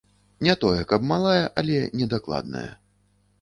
Не тое, каб малая, але не дакладная.